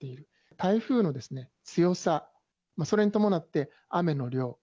台風の強さ、それに伴って雨の量。